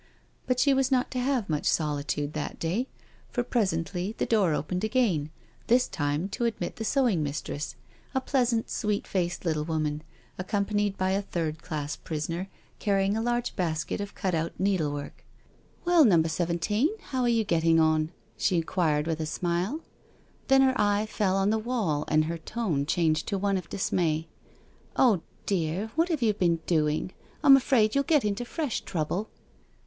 But she was not to have much solitude that day, for presently the door opened again, this time to admit the sewing mistress, a pleasant, sweet faced little woman, accompained by a third class prisoner, carrying a large basket of cut out needlework. " Well, Number Seventeen, how are you getting on?" she inquired with a smile. Then her eye fell on the wall, and her tone changed to one of dismay. " Oh dear, what have you been doing? I'm afraid you'll get into fresh trouble."